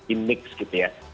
ini mix gitu ya